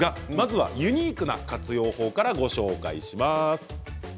ユニークな活用法からご紹介します。